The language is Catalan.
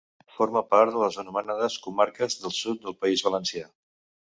Forma part de les anomenades Comarques del Sud del País Valencià.